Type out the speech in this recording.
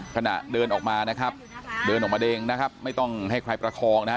ขณะเดินออกมานะครับเดินออกมาเองนะครับไม่ต้องให้ใครประคองนะฮะ